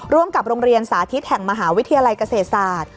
โรงเรียนสาธิตแห่งมหาวิทยาลัยเกษตรศาสตร์